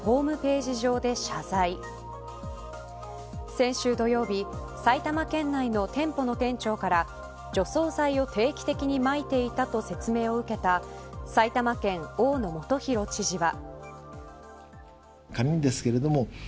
先週土曜日埼玉県内の店舗の店長から除草剤を定期的にまいていたと説明を受けた埼玉県大野元裕知事は。